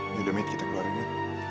ini demit kita keluar dulu